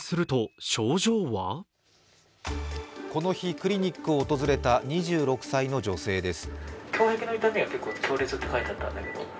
この日クリニックを訪れた２６歳の女性です。